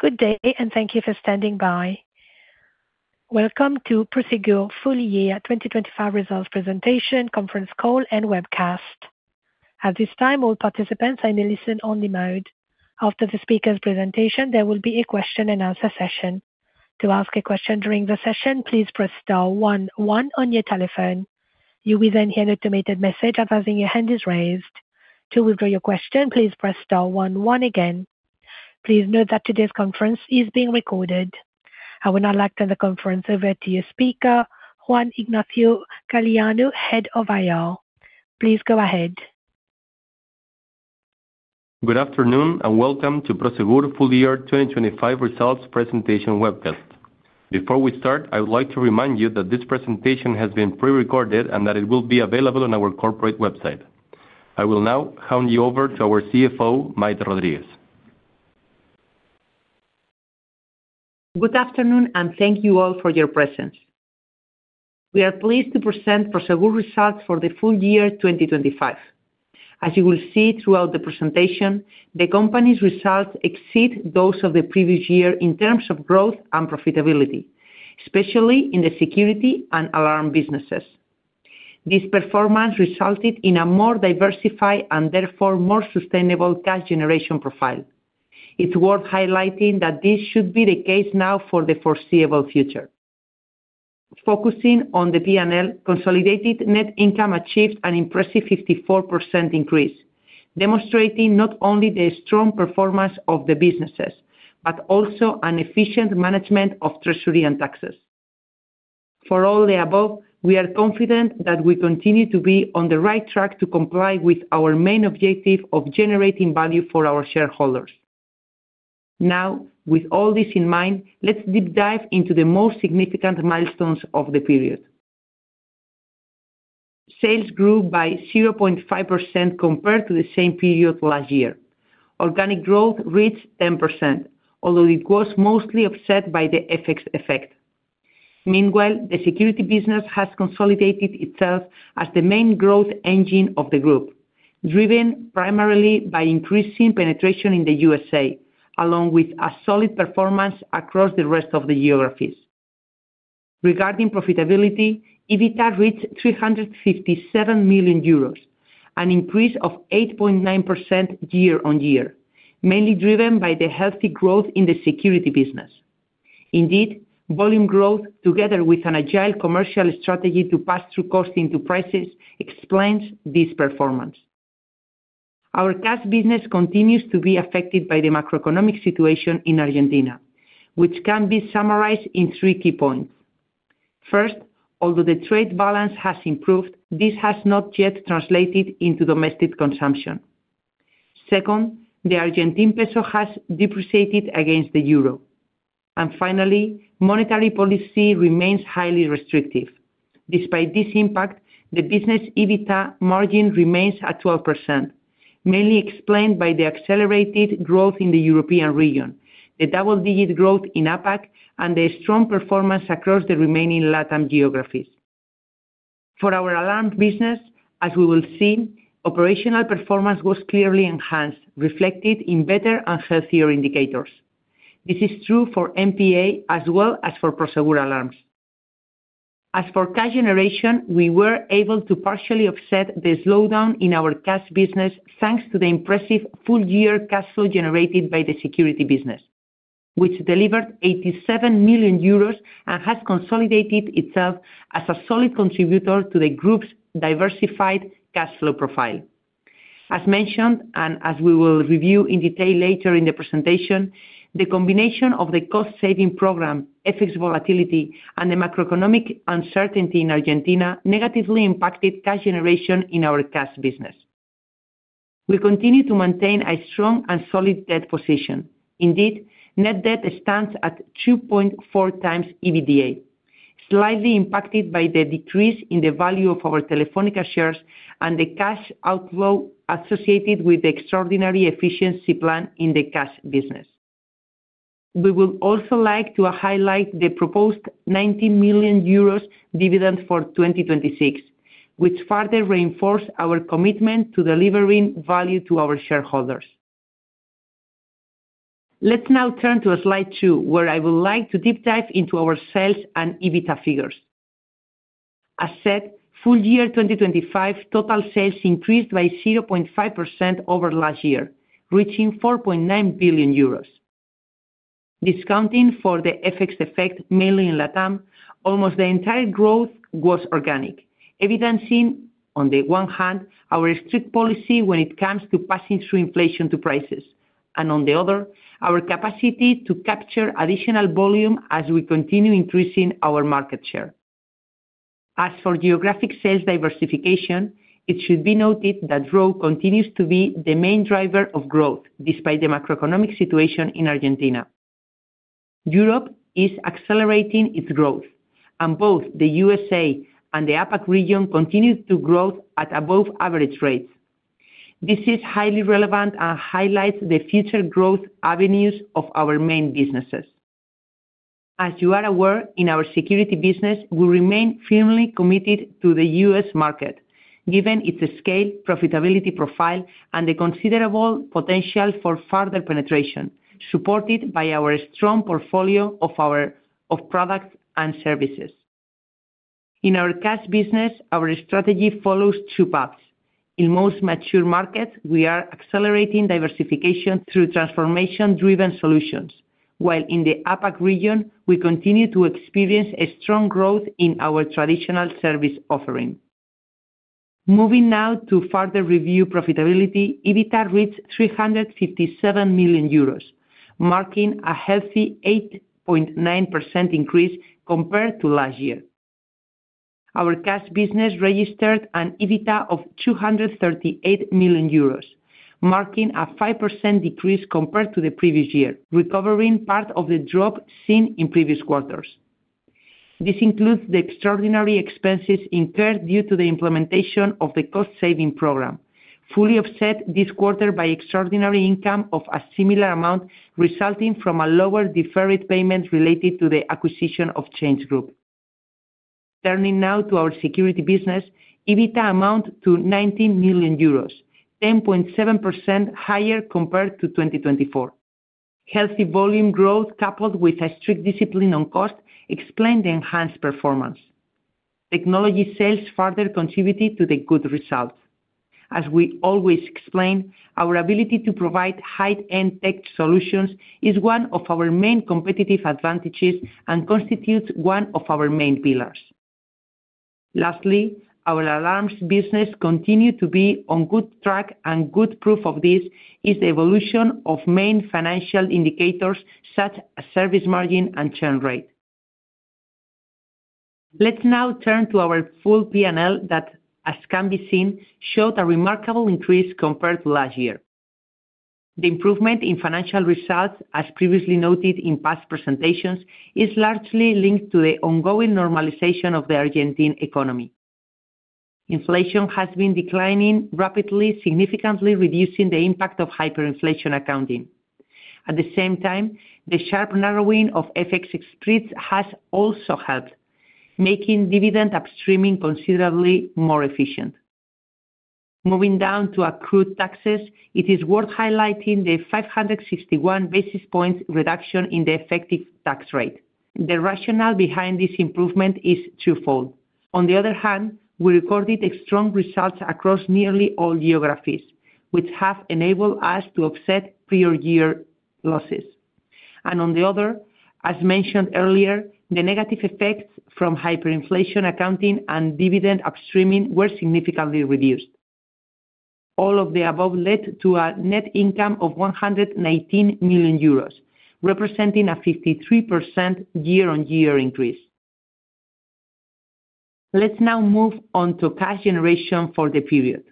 Good day, and thank you for standing by. Welcome to Prosegur Full Year 2025 Results Presentation Conference Call and Webcast. At this time, all participants are in a listen-only mode. After the speaker's presentation, there will be a question-and-answer session. To ask a question during the session, please press star 11 on your telephone. You will then hear an automated message advising your hand is raised. To withdraw your question, please press star 11 again. Please note that today's conference is being recorded. I would now like to turn the conference over to your speaker, Juan Ignacio Galleano, Head of IR. Please go ahead. Good afternoon, and welcome to Prosegur Full Year 2025 Results Presentation Webcast. Before we start, I would like to remind you that this presentation has been prerecorded and that it will be available on our corporate website. I will now hand you over to our CFO, Maite Rodríguez. Good afternoon. Thank you all for your presence. We are pleased to present Prosegur results for the full year 2025. As you will see throughout the presentation, the company's results exceed those of the previous year in terms of growth and profitability, especially in the security and alarm businesses. This performance resulted in a more diversified and therefore more sustainable cash generation profile. It's worth highlighting that this should be the case now for the foreseeable future. Focusing on the PNL, consolidated net income achieved an impressive 54% increase, demonstrating not only the strong performance of the businesses, but also an efficient management of treasury and taxes. For all the above, we are confident that we continue to be on the right track to comply with our main objective of generating value for our shareholders. With all this in mind, let's deep dive into the most significant milestones of the period. Sales grew by 0.5% compared to the same period last year. Organic growth reached 10%, although it was mostly offset by the FX effect. The security business has consolidated itself as the main growth engine of the Group, driven primarily by increasing penetration in the USA, along with a solid performance across the rest of the geographies. Regarding profitability, EBITDA reached 357 million euros, an increase of 8.9% year-on-year, mainly driven by the healthy growth in the security business. Volume growth, together with an agile commercial strategy to pass through cost into prices, explains this performance. Our cash business continues to be affected by the macroeconomic situation in Argentina, which can be summarized in three key points. Although the trade balance has improved, this has not yet translated into domestic consumption. The Argentine peso has depreciated against the euro. Finally, monetary policy remains highly restrictive. Despite this impact, the business EBITDA margin remains at 12%, mainly explained by the accelerated growth in the European region, the double-digit growth in APAC, and the strong performance across the remaining Latam geographies. For our alarm business, as we will see, operational performance was clearly enhanced, reflected in better and healthier indicators. This is true for MPA as well as for Prosegur Alarms. For cash generation, we were able to partially offset the slowdown in our cash business, thanks to the impressive full year cash flow generated by the security business, which delivered 87 million euros and has consolidated itself as a solid contributor to the Group's diversified cash flow profile. As mentioned, and as we will review in detail later in the presentation, the combination of the cost-saving program, FX volatility, and the macroeconomic uncertainty in Argentina negatively impacted cash generation in our cash business. We continue to maintain a strong and solid debt position. Net debt stands at 2.4 times EBITDA, slightly impacted by the decrease in the value of our Telefónica shares and the cash outflow associated with the extraordinary efficiency plan in the cash business. We would also like to highlight the proposed 90 million euros dividend for 2026, which further reinforce our commitment to delivering value to our shareholders. Let's now turn to slide two, where I would like to deep dive into our sales and EBITDA figures. Full year 2025, total sales increased by 0.5% over last year, reaching 4.9 billion euros. Discounting for the FX effect, mainly in LatAm, almost the entire growth was organic, evidencing, on the one hand, our strict policy when it comes to passing through inflation to prices, and on the other, our capacity to capture additional volume as we continue increasing our market share. As for geographic sales diversification, it should be noted that growth continues to be the main driver of growth, despite the macroeconomic situation in Argentina. Europe is accelerating its growth, and both the USA and the APAC region continue to grow at above average rates. This is highly relevant and highlights the future growth avenues of our main businesses.... As you are aware, in our security business, we remain firmly committed to the U.S. market, given its scale, profitability profile, and the considerable potential for further penetration, supported by our strong portfolio of our products and services. In our cash business, our strategy follows two paths. In most mature markets, we are accelerating diversification through transformation-driven solutions, while in the APAC region, we continue to experience a strong growth in our traditional service offering. Moving now to further review profitability, EBITDA reached 357 million euros, marking a healthy 8.9% increase compared to last year. Our cash business registered an EBITDA of 238 million euros, marking a 5% decrease compared to the previous year, recovering part of the drop seen in previous quarters. This includes the extraordinary expenses incurred due to the implementation of the cost-saving program, fully offset this quarter by extraordinary income of a similar amount, resulting from a lower deferred payment related to the acquisition of ChangeGroup. Turning now to our security business, EBITDA amount to 19 million euros, 10.7% higher compared to 2024. Healthy volume growth, coupled with a strict discipline on cost, explain the enhanced performance. Technology sales further contributed to the good results. As we always explain, our ability to provide high-end tech solutions is one of our main competitive advantages and constitutes one of our main pillars. Our alarms business continue to be on good track, and good proof of this is the evolution of main financial indicators, such as service margin and churn rate. Let's now turn to our full P&L that, as can be seen, showed a remarkable increase compared to last year. The improvement in financial results, as previously noted in past presentations, is largely linked to the ongoing normalization of the Argentine economy. Inflation has been declining rapidly, significantly reducing the impact of hyperinflation accounting. At the same time, the sharp narrowing of FX spreads has also helped, making dividend upstreaming considerably more efficient. Moving down to accrued taxes, it is worth highlighting the 561 basis points reduction in the effective tax rate. The rationale behind this improvement is twofold. We recorded a strong result across nearly all geographies, which have enabled us to offset prior year losses. As mentioned earlier, the negative effects from hyperinflation accounting and dividend upstreaming were significantly reduced. All of the above led to a net income of 119 million euros, representing a 53% year-on-year increase. Let's now move on to cash generation for the period.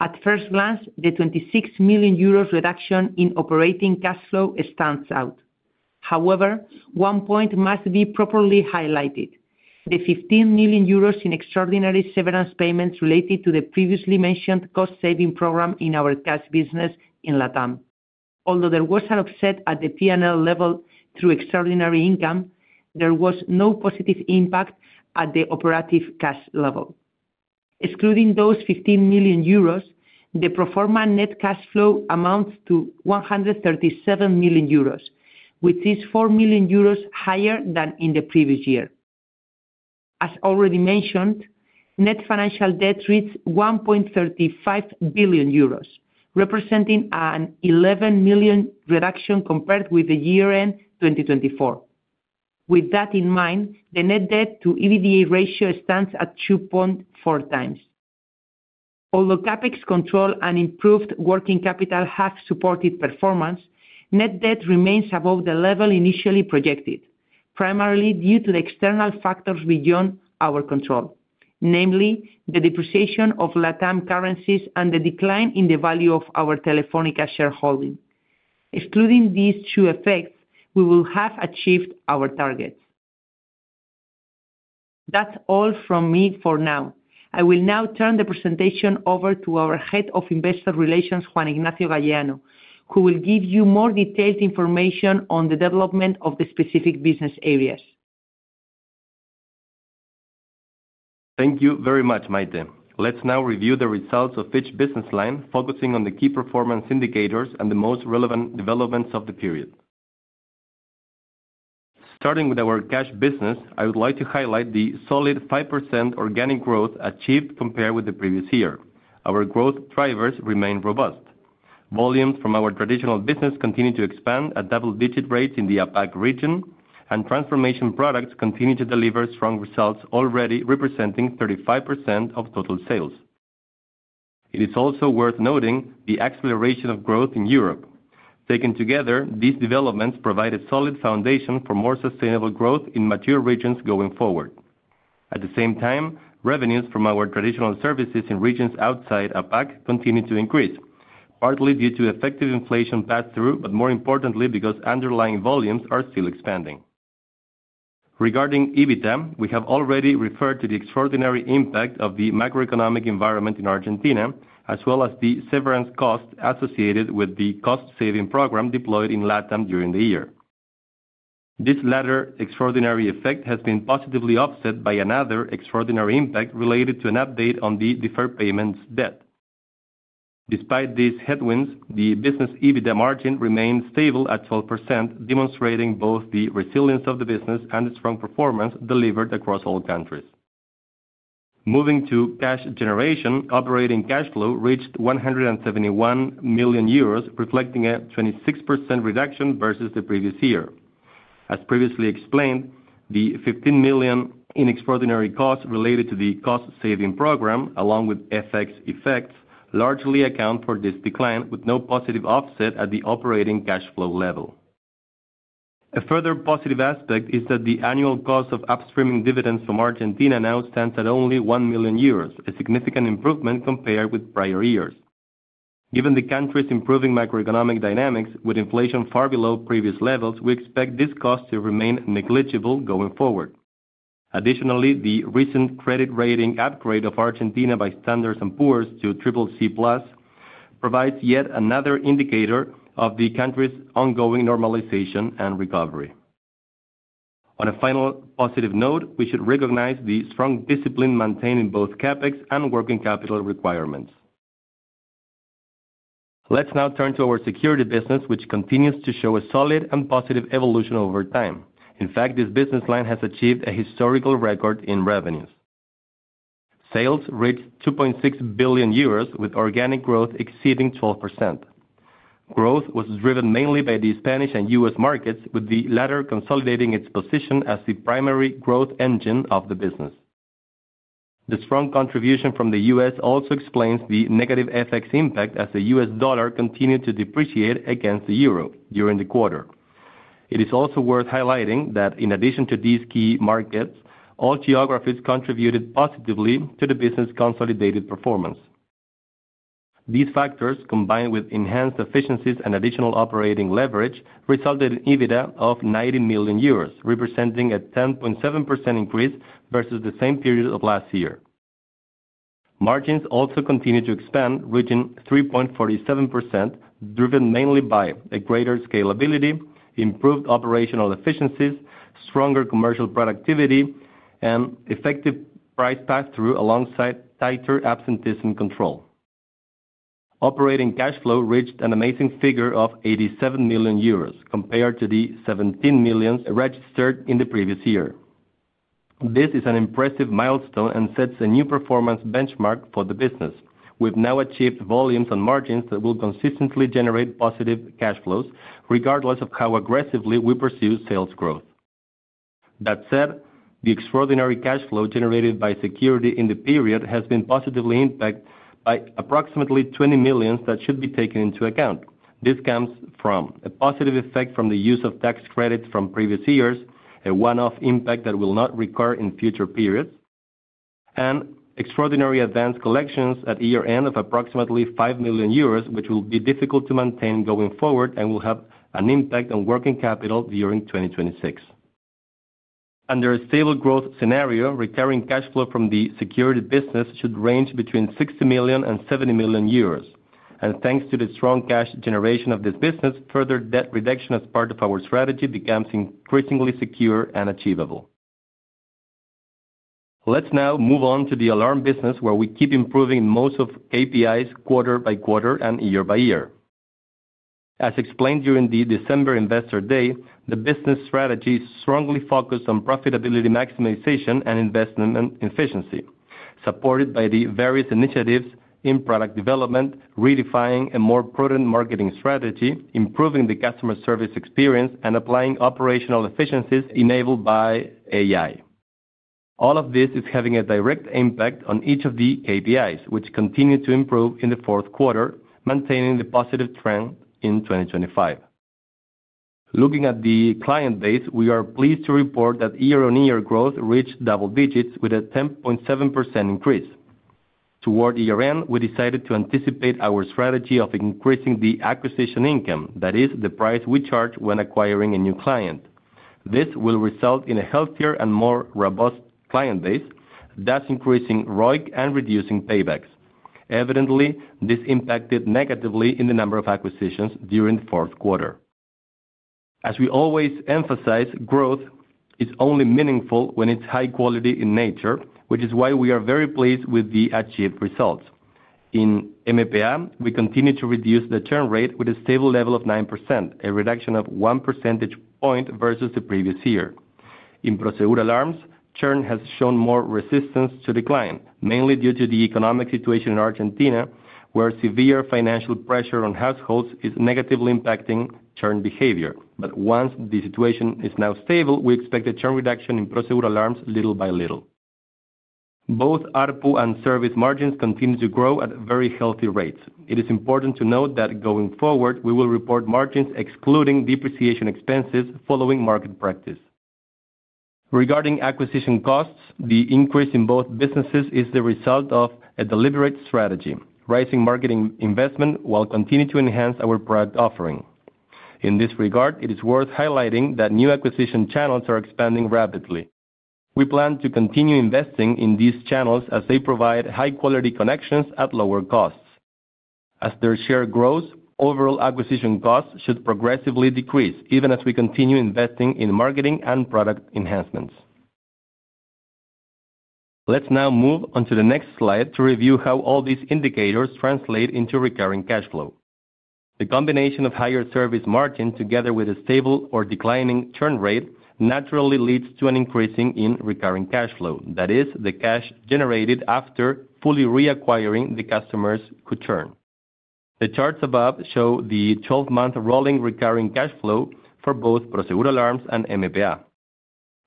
At first glance, the 26 million euros reduction in operating cash flow stands out. One point must be properly highlighted: the 15 million euros in extraordinary severance payments related to the previously mentioned cost-saving program in our cash business in Latam. There was an upset at the P&L level through extraordinary income, there was no positive impact at the operative cash level. Excluding those 15 million euros, the pro forma net cash flow amounts to 137 million euros, which is 4 million euros higher than in the previous year. As already mentioned, net financial debt reached 1.35 billion euros, representing an 11 million reduction compared with the year-end 2024. With that in mind, the net debt to EBITDA ratio stands at 2.4 times. Although CapEx control and improved working capital have supported performance, net debt remains above the level initially projected, primarily due to the external factors beyond our control, namely, the depreciation of Latam currencies and the decline in the value of our Telefónica shareholding. Excluding these two effects, we will have achieved our targets. That's all from me for now. I will now turn the presentation over to our Head of Investor Relations, Juan Ignacio Galleano, who will give you more detailed information on the development of the specific business areas. Thank you very much, Maite Rodríguez. Let's now review the results of each business line, focusing on the key performance indicators and the most relevant developments of the period. Starting with our cash business, I would like to highlight the solid 5% organic growth achieved compared with the previous year. Our growth drivers remain robust. Volumes from our traditional business continue to expand at double-digit rates in the APAC region, and transformation products continue to deliver strong results, already representing 35% of total sales. It is also worth noting the acceleration of growth in Europe. Taken together, these developments provide a solid foundation for more sustainable growth in mature regions going forward. At the same time, revenues from our traditional services in regions outside APAC continue to increase, partly due to effective inflation pass-through, but more importantly, because underlying volumes are still expanding. Regarding EBITDA, we have already referred to the extraordinary impact of the macroeconomic environment in Argentina, as well as the severance costs associated with the cost-saving program deployed in LATAM during the year. This latter extraordinary effect has been positively offset by another extraordinary impact related to an update on the deferred payments debt. Despite these headwinds, the business EBITDA margin remained stable at 12%, demonstrating both the resilience of the business and the strong performance delivered across all countries. Moving to cash generation, operating cash flow reached 171 million euros, reflecting a 26% reduction versus the previous year. As previously explained, the 15 million in extraordinary costs related to the cost-saving program, along with FX effects, largely account for this decline, with no positive offset at the operating cash flow level. A further positive aspect is that the annual cost of upstreaming dividends from Argentina now stands at only 1 million euros, a significant improvement compared with prior years. Given the country's improving macroeconomic dynamics, with inflation far below previous levels, we expect this cost to remain negligible going forward. Additionally, the recent credit rating upgrade of Argentina by Standard & Poor's to CCC+ provides yet another indicator of the country's ongoing normalization and recovery. On a final positive note, we should recognize the strong discipline maintained in both CapEx and working capital requirements. Let's now turn to our security business, which continues to show a solid and positive evolution over time. In fact, this business line has achieved a historical record in revenues. Sales reached 2.6 billion euros, with organic growth exceeding 12%. Growth was driven mainly by the Spanish and U.S. markets, with the latter consolidating its position as the primary growth engine of the business. The strong contribution from the U.S. also explains the negative FX impact, as the U.S. dollar continued to depreciate against the euro during the quarter. It is also worth highlighting that in addition to these key markets, all geographies contributed positively to the business' consolidated performance. These factors, combined with enhanced efficiencies and additional operating leverage, resulted in EBITDA of 90 million euros, representing a 10.7% increase versus the same period of last year. Margins also continued to expand, reaching 3.47%, driven mainly by a greater scalability, improved operational efficiencies, stronger commercial productivity, and effective price pass-through, alongside tighter absenteeism control. Operating cash flow reached an amazing figure of 87 million euros, compared to the 17 million registered in the previous year. This is an impressive milestone and sets a new performance benchmark for the business. We've now achieved volumes and margins that will consistently generate positive cash flows, regardless of how aggressively we pursue sales growth. The extraordinary cash flow generated by security in the period has been positively impacted by approximately 20 million that should be taken into account. This comes from a positive effect from the use of tax credits from previous years, a one-off impact that will not recur in future periods, and extraordinary advanced collections at year-end of approximately 5 million euros, which will be difficult to maintain going forward and will have an impact on working capital during 2026. Under a stable growth scenario, recurring cash flow from the security business should range between 60 million and 70 million euros. Thanks to the strong cash generation of this business, further debt reduction as part of our strategy becomes increasingly secure and achievable. Let's now move on to the alarm business, where we keep improving most of KPIs quarter by quarter and year by year. As explained during the December Investor Day, the business strategy is strongly focused on profitability maximization and investment efficiency, supported by the various initiatives in product development, redefining a more prudent marketing strategy, improving the customer service experience, and applying operational efficiencies enabled by AI. All of this is having a direct impact on each of the KPIs, which continued to improve in the fourth quarter, maintaining the positive trend in 2025. Looking at the client base, we are pleased to report that year-on-year growth reached double digits with a 10.7% increase. Toward year-end, we decided to anticipate our strategy of increasing the acquisition income, that is, the price we charge when acquiring a new client. This will result in a healthier and more robust client base, thus increasing ROIC and reducing paybacks. Evidently, this impacted negatively in the number of acquisitions during the fourth quarter. As we always emphasize, growth is only meaningful when it's high quality in nature, which is why we are very pleased with the achieved results. In MPA, we continue to reduce the churn rate with a stable level of 9%, a reduction of one percentage point versus the previous year. In Prosegur Alarms, churn has shown more resistance to decline, mainly due to the economic situation in Argentina, where severe financial pressure on households is negatively impacting churn behavior. Once the situation is now stable, we expect the churn reduction in Prosegur Alarms little by little. Both ARPU and service margins continue to grow at very healthy rates. It is important to note that going forward, we will report margins excluding depreciation expenses following market practice. Regarding acquisition costs, the increase in both businesses is the result of a deliberate strategy, raising marketing investment, while continuing to enhance our product offering. In this regard, it is worth highlighting that new acquisition channels are expanding rapidly. We plan to continue investing in these channels as they provide high quality connections at lower costs. As their share grows, overall acquisition costs should progressively decrease, even as we continue investing in marketing and product enhancements. Let's now move on to the next slide to review how all these indicators translate into recurring cash flow. The combination of higher service margin, together with a stable or declining churn rate, naturally leads to an increasing in recurring cash flow. That is, the cash generated after fully reacquiring the customers could churn. The charts above show the 12-month rolling recurring cash flow for both Prosegur Alarms and MPA.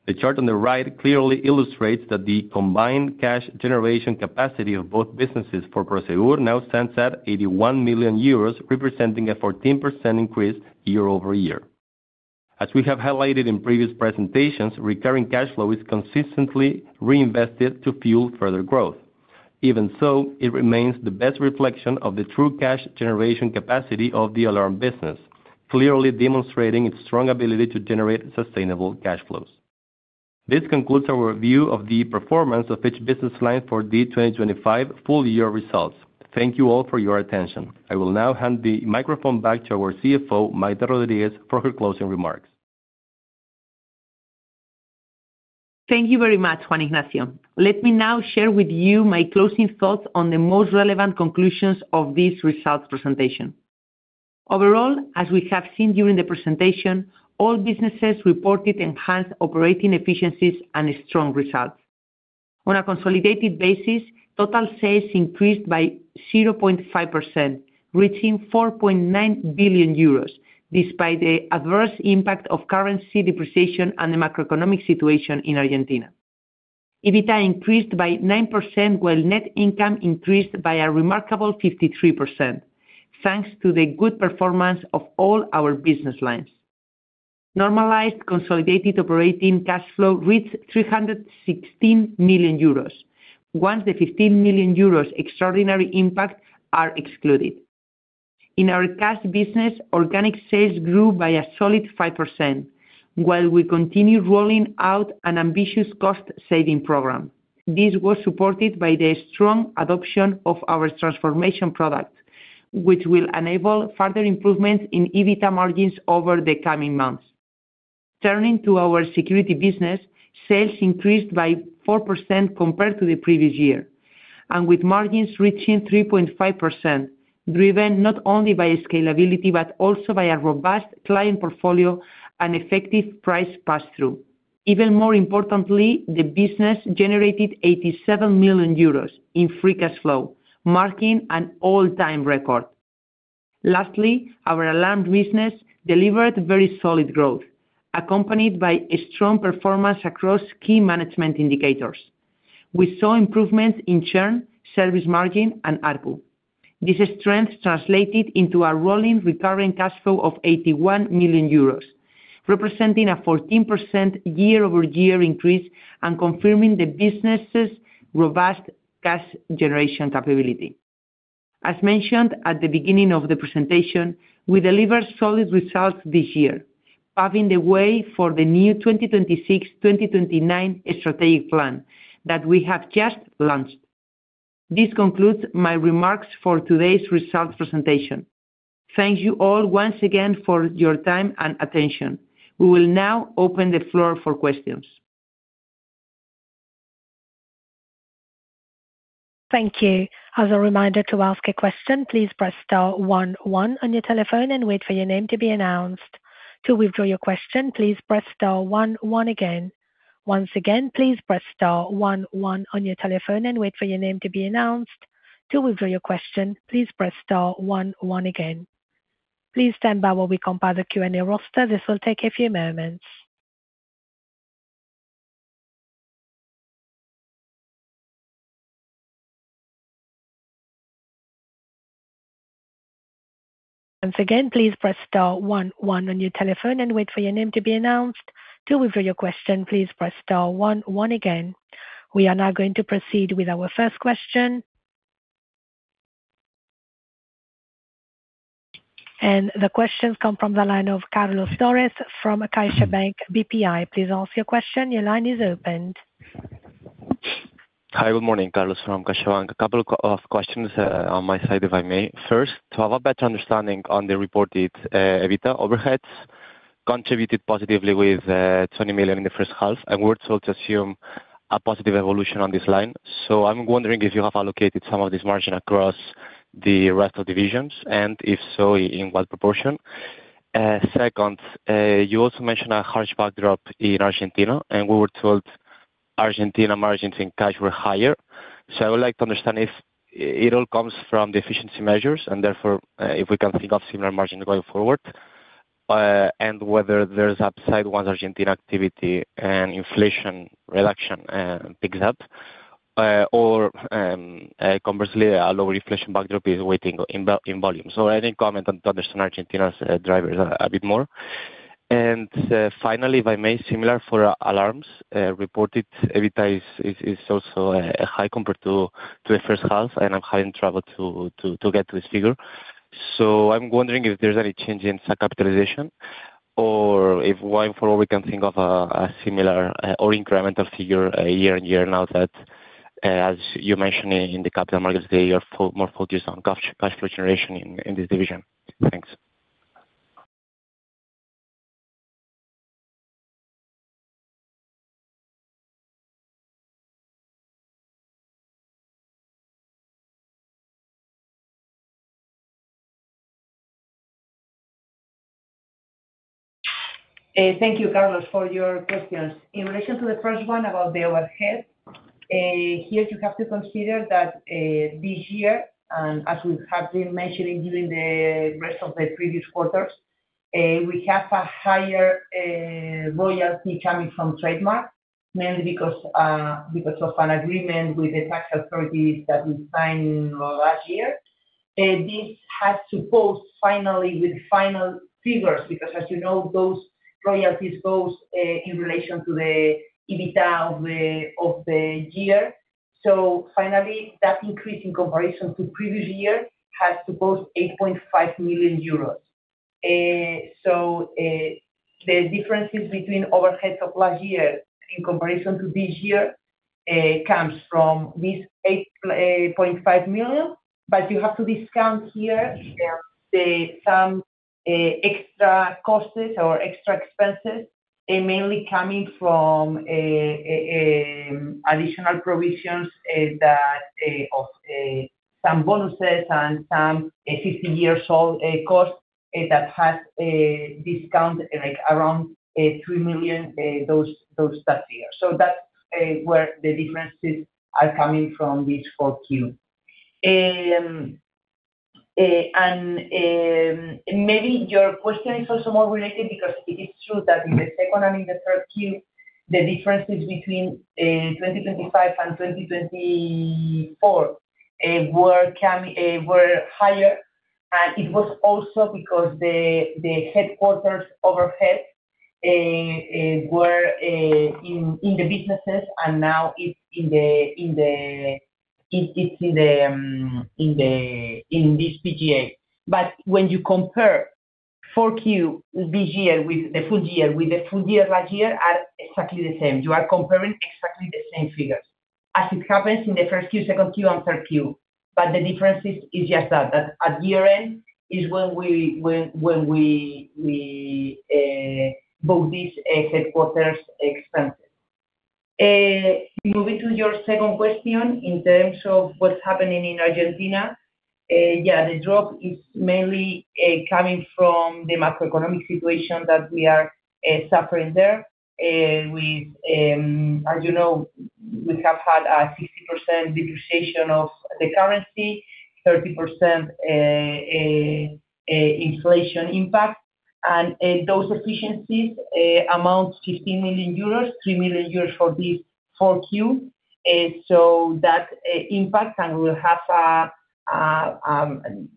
The chart on the right clearly illustrates that the combined cash generation capacity of both businesses for Prosegur now stands at 81 million euros, representing a 14% increase year-over-year. As we have highlighted in previous presentations, recurring cash flow is consistently reinvested to fuel further growth. Even so, it remains the best reflection of the true cash generation capacity of the alarm business, clearly demonstrating its strong ability to generate sustainable cash flows. This concludes our review of the performance of each business line for the 2025 full year results. Thank you all for your attention. I will now hand the microphone back to our CFO, Maite Rodríguez, for her closing remarks. Thank you very much, Juan Ignacio. Let me now share with you my closing thoughts on the most relevant conclusions of this results presentation. Overall, as we have seen during the presentation, all businesses reported enhanced operating efficiencies and strong results. On a consolidated basis, total sales increased by 0.5%, reaching 4.9 billion euros, despite the adverse impact of currency depreciation and the macroeconomic situation in Argentina. EBITDA increased by 9%, while net income increased by a remarkable 53%, thanks to the good performance of all our business lines. Normalized consolidated operating cash flow reached 316 million euros, once the 15 million euros extraordinary impact are excluded. In our cash business, organic sales grew by a solid 5%, while we continue rolling out an ambitious cost-saving program. This was supported by the strong adoption of our transformation product, which will enable further improvements in EBITDA margins over the coming months. Turning to our security business, sales increased by 4% compared to the previous year, and with margins reaching 3.5%, driven not only by scalability, but also by a robust client portfolio and effective price pass through. Even more importantly, the business generated 87 million euros in free cash flow, marking an all-time record. Lastly, our alarm business delivered very solid growth, accompanied by a strong performance across key management indicators. We saw improvements in churn, service margin, and ARPU. This strength translated into a rolling recurring cash flow of 81 million euros, representing a 14% year-over-year increase and confirming the business's robust cash generation capability. As mentioned at the beginning of the presentation, we delivered solid results this year, paving the way for the new 2026, 2029 strategic plan that we have just launched. This concludes my remarks for today's results presentation. Thank you all once again for your time and attention. We will now open the floor for questions. Thank you. As a reminder to ask a question, please press star one one on your telephone and wait for your name to be announced. To withdraw your question, please press star one one again. Once again, please press star one one on your telephone and wait for your name to be announced. To withdraw your question, please press star one one again. Please stand by while we compile the Q&A roster. This will take a few moments. Once again, please press star one one on your telephone and wait for your name to be announced. To withdraw your question, please press star one one again. We are now going to proceed with our first question. The question comes from the line of Carlos Torres from CaixaBank BPI. Please ask your question. Your line is opened. Hi, good morning. Carlos from CaixaBank. A couple of questions on my side, if I may. First, to have a better understanding on the reported EBITDA overheads contributed positively with 20 million in the first half. We're told to assume a positive evolution on this line. I'm wondering if you have allocated some of this margin across the rest of divisions, and if so, in what proportion? Second, you also mentioned a harsh backdrop in Argentina. We were told Argentina margins and cash were higher. I would like to understand if it all comes from the efficiency measures, and therefore, if we can think of similar margin going forward. Whether there's upside once Argentina activity and inflation reduction picks up, or conversely, a lower inflation backdrop is waiting in volume. Any comment to understand Argentina's drivers a bit more? Finally, if I may, similar for Prosegur Alarms, reported EBITDA is also a high compared to the first half, and I'm having trouble to get to this figure. I'm wondering if there's any change in such capitalization, or if going forward, we can think of a similar or incremental figure year and year, now that, as you mentioned in the capital markets, they are more focused on cash flow generation in this division? Thanks. Thank you, Carlos, for your questions. In relation to the first one about the overhead, here you have to consider that this year, and as we have been mentioning during the rest of the previous quarters, we have a higher royalty coming from trademark, mainly because of an agreement with the tax authorities that we signed last year. This has to post finally with final figures, because as you know, those royalties post in relation to the EBITDA of the year. Finally, that increase in comparison to previous year has to post 8.5 million euros. The differences between overhead of last year in comparison to this year comes from this 8.5 million, but you have to discount here the some extra costs or extra expenses, mainly coming from additional provisions that of some bonuses and some 50-years-old cost that has a discount, like, around 3 million, those that year. That's where the differences are coming from this 4Q. Maybe your question is also more related, because it is true that in the second and in the third Q, the differences between 2025 and 2024 were higher. It was also because the headquarters overhead were in the businesses, and now it's in this PGA. When you compare 4Q this year with the full year, with the full year last year, are exactly the same. You are comparing exactly the same figures. As it happens in the 1Q, 2Q, and 3Q. The difference is just that at year-end is when we book these headquarters expenses. Moving to your second question, in terms of what's happening in Argentina, yeah, the drop is mainly coming from the macroeconomic situation that we are suffering there. With, as you know, we have had a 50% depreciation of the currency, 30% inflation impact, those efficiencies amount to 15 million euros, 3 million euros for this 4Q. That impact and will have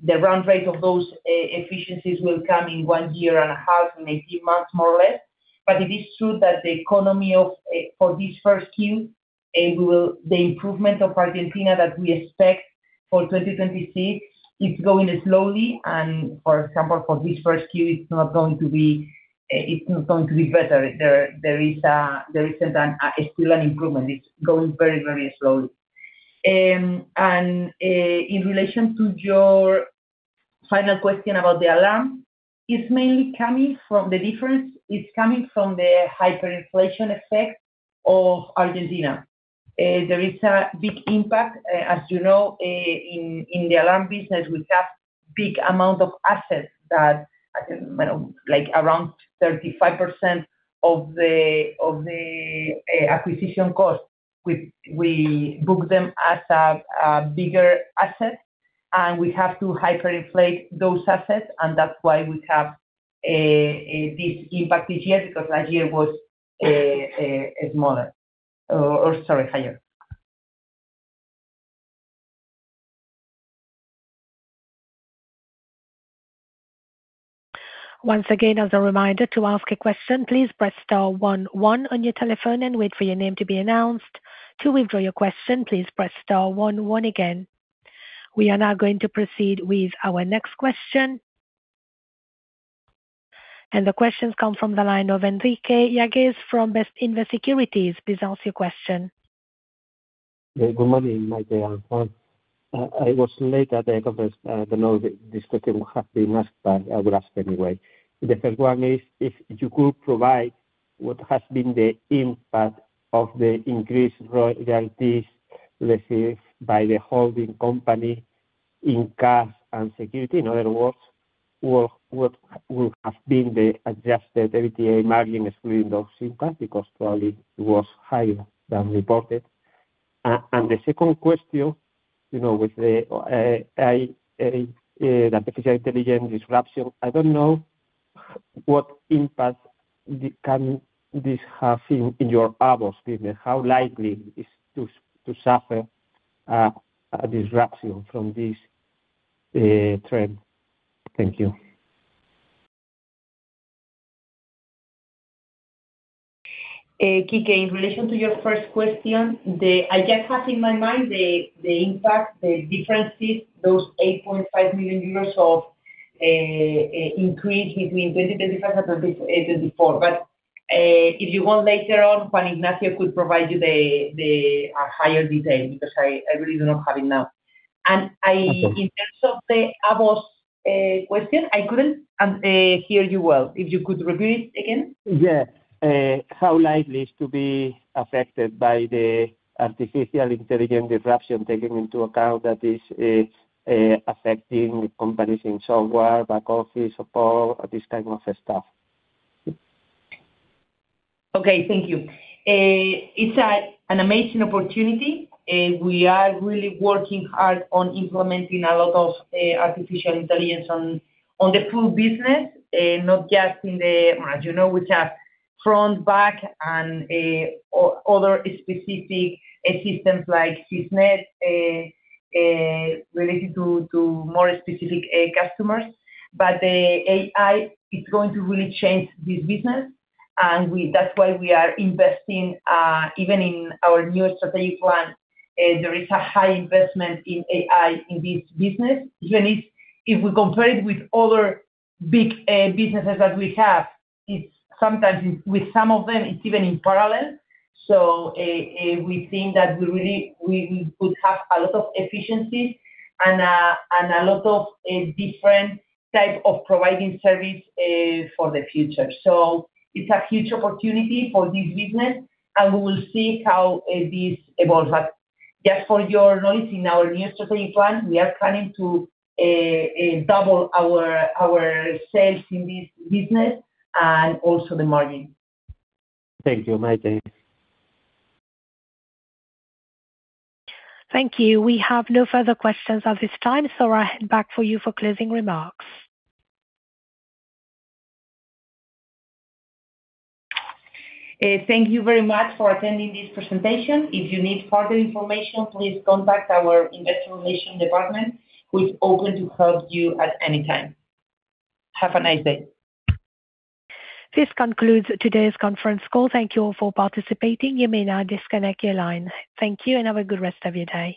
the run rate of those efficiencies will come in one year and a half, 18 months, more or less. It is true that the economy of for this 1Q. The improvement of Argentina that we expect for 2026, it's going slowly, and for example, for this 1Q, it's not going to be, it's not going to be better. There isn't still an improvement. It's going very, very slowly. In relation to your final question about the alarm, it's mainly coming from the difference, it's coming from the hyperinflation effect of Argentina. There is a big impact, as you know, in the alarm business, we have big amount of assets that, I think, like, around 35% of the acquisition costs. We book them as a bigger asset, and we have to hyperinflate those assets, and that's why we have this impact this year, because last year was smaller, or sorry, higher. Once again, as a reminder, to ask a question, please press star 11 on your telephone and wait for your name to be announced. To withdraw your question, please press star 11 again. We are now going to proceed with our next question. The question comes from the line of Enrique Yáguez from Bestinver Securities. Please ask your question. Good morning, Mike and Anton. I was late at the conference. I don't know if this question will have been asked, but I will ask anyway. The first one is, if you could provide what has been the impact of the increased royalties received by the holding company in cash and security. In other words, what would have been the adjusted EBITDA margin excluding those impact? Because probably it was higher than reported. The second question, you know, with the artificial intelligence disruption, I don't know what impact this can have in your business? How likely is to suffer a disruption from this trend? Thank you. Kike, in relation to your first question, I just have in my mind the impact, the differences, those 8.5 million euros of increase between 2025 and 2024. If you want later on, Juan Ignacio could provide you higher detail, because I really do not have it now. Okay. In terms of the AVOS question, I couldn't hear you well. If you could repeat it again? Yeah. How likely is to be affected by the artificial intelligence disruption, taking into account that this is affecting companies in software, back office support, this type of stuff? Okay, thank you. It's an amazing opportunity. We are really working hard on implementing a lot of artificial intelligence on the full business, not just in the... As you know, we have front, back, and other specific systems like SISnet, related to more specific customers. The AI is going to really change this business, and we, that's why we are investing. Even in our new strategy plan, there is a high investment in AI in this business. Even if we compare it with other big businesses that we have, it's sometimes, with some of them, it's even in parallel. We think that we really could have a lot of efficiency and a lot of different type of providing service for the future. It's a huge opportunity for this business, and we will see how this evolves. Just for your knowledge, in our new strategy plan, we are planning to double our sales in this business and also the margin. Thank you. Nice day. Thank you. We have no further questions at this time, so I head back for you for closing remarks. Thank you very much for attending this presentation. If you need further information, please contact our investor relations department. We're open to help you at any time. Have a nice day. This concludes today's conference call. Thank you all for participating. You may now disconnect your line. Thank you, and have a good rest of your day.